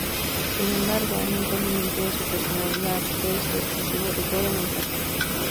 Sin embargo, un inconveniente de su personalidad fue su excesivo rigor en el castigo.